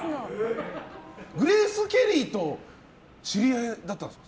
グレース・ケリーと知り合いだったんでですか？